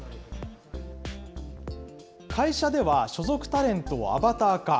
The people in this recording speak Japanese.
会社では、所属タレントをアバター化。